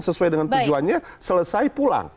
sesuai dengan tujuannya selesai pulang